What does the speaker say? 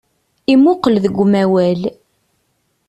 Imuqel deg umawal.